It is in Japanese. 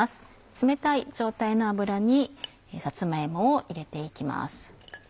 冷たい状態の油にさつま芋を入れて行きます。